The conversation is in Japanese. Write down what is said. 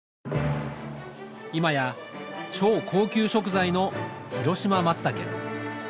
今や超高級食材の広島マツタケ。